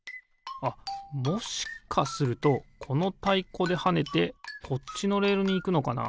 あっもしかするとこのたいこではねてこっちのレールにいくのかな？